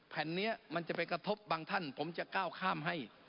แผ่นนี้มันจะไปกระทบบางท่านผมจะก้าวข้ามให้